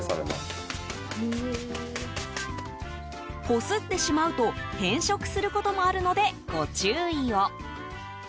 こすってしまうと変色することもあるのでご注意を。